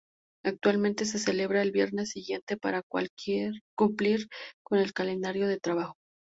Actualmente se celebra el viernes siguiente para cumplir con el calendario de trabajo.